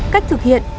cách thực hiện